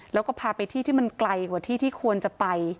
แล้วก็พาไปที่ที่มันไกลกว่าที่ที่ควรจะไป